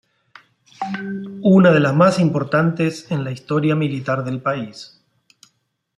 Una de las más importantes en la historia militar del país.